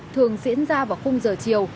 thường diễn ra vào khung giờ chiều